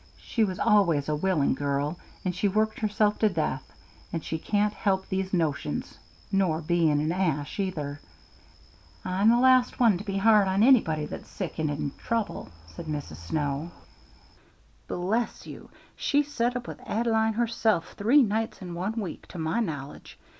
She was always a willing girl, and she worked herself to death, and she can't help these notions, nor being an Ash neither." "I'm the last one to be hard on anybody that's sick, and in trouble," said Mrs. Snow. "Bless you, she set up with Ad'line herself three nights in one week, to my knowledge.